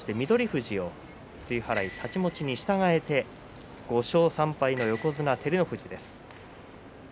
富士を露払い、太刀持ちに従えて５勝３敗の横綱照ノ富士です。